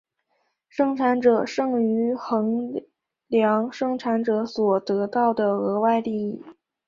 生产者剩余衡量生产者所得到的额外利益。